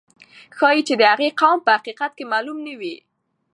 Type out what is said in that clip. ښایي چې د هغې قوم په حقیقت کې معلوم نه وي.